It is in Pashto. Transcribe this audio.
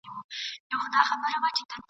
رسمي زده کړي بايد دود شي.